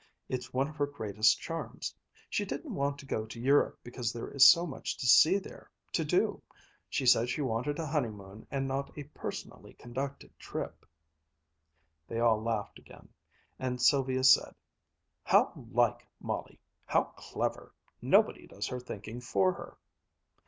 It's one of her greatest charms. She didn't want to go to Europe because there is so much to see there, to do. She said she wanted a honeymoon and not a personally conducted trip." They all laughed again, and Sylvia said: "How like Molly! How clever! Nobody does her thinking for her!"